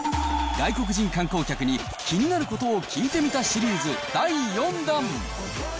外国人観光客に気になることを聞いてみたシリーズ第４弾。